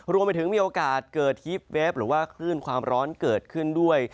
รวมไปถึงมีโอกาสเกิดฮิปเวฟหรือว่าคลื่นความร้อนเกิดขึ้นด้วย